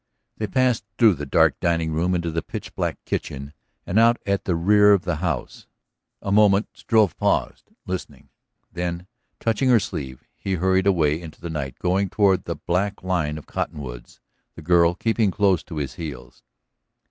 They passed through the dark dining room, into the pitch black kitchen and out at the rear of the house. A moment Struve paused, listening. Then, touching her sleeve, he hurried away into the night, going toward the black line of cottonwoods, the girl keeping close to his heels.